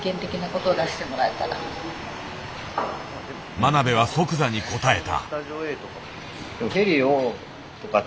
真鍋は即座に答えた。